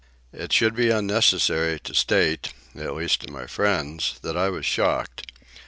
It should be unnecessary to state, at least to my friends, that I was shocked.